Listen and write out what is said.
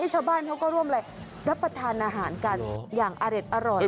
ชาวบ้านเขาก็ร่วมรับประทานอาหารกันอย่างอเด็ดอร่อย